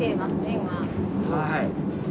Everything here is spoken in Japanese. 今。